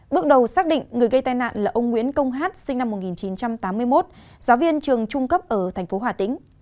bước đầu xác định người gây tai nạn là ông nguyễn công hát sinh năm một nghìn chín trăm tám mươi một giáo viên trường trung cấp ở tp hà tĩnh